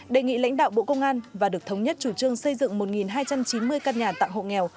đề nghị lãnh đạo bộ công an và được thống nhất chủ trương xây dựng một hai trăm chín mươi căn nhà tặng hộ nghèo